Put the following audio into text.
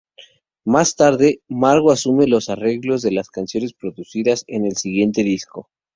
Más tarde, Magro asume los arreglos de las canciones producidas en el siguiente disco.